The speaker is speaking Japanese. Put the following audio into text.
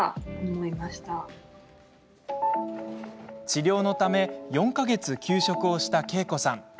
治療のため４か月休職をしたけいこさん。